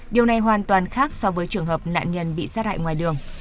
điều này hoàn toàn khác so với trường hợp nạn nhân bị sát hại ngoài đường